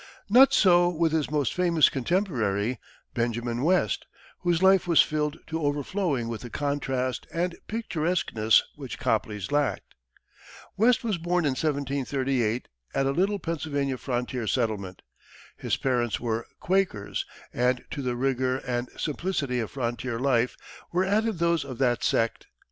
Not so with his most famous contemporary, Benjamin West, whose life was filled to overflowing with the contrast and picturesqueness which Copley's lacked. West was born in 1738 at a little Pennsylvania frontier settlement. His parents were Quakers, and to the rigor and simplicity of frontier life were added those of that sect.